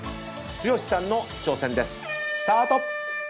剛さんの挑戦です。